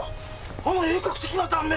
あの鋭角的な断面